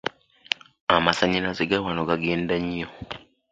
Amasannyalaze ga wano gagenda nnyo.